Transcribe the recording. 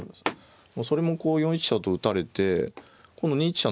それもこう４一飛車と打たれて今度２一飛車